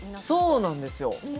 そうなんですよ